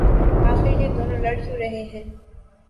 آخر یہ دونوں لڑ کیوں رہے ہیں